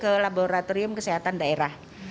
ke laboratorium kesehatan daerah